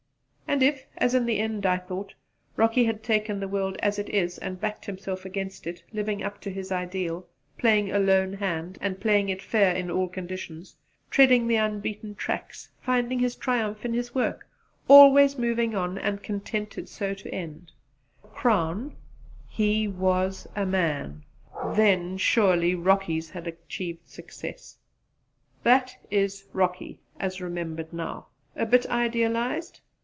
And if as in the end I thought Rocky had taken the world as it is and backed himself against it living up to his ideal, playing a 'lone hand' and playing it fair in all conditions, treading the unbeaten tracks, finding his triumph in his work, always moving on and contented so to end: the crown, "He was a man!" then surely Rocky's had achieved success! That is Rocky, as remembered now! A bit idealized?